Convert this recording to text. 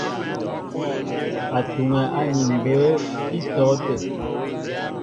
Ó tuŋɛ́ áni mbə̌ í tɔ̌ tə́ə́.